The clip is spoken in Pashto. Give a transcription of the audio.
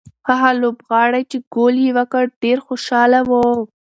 هغه لوبغاړی چې ګول یې وکړ ډېر خوشاله و.